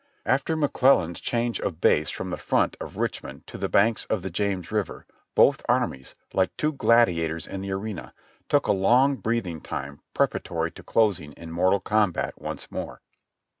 /\fter McClellan's change of base from the front of Richmond to 'the banks of the James River, both armies, like two gladiators in the arena, took a long breathing time preparatory to closing in mortal combat once more.